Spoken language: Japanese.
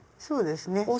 そうですね。